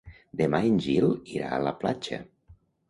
Demà en Gil irà a la platja.